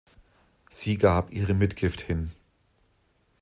Sie gab ihre Mitgift hin.